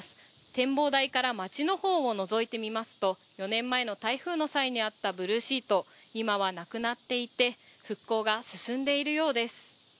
展望台から町の方をのぞいてみますと４年前の台風の際にあったブルーシート、今はなくなっていて、復興が進んでいるようです。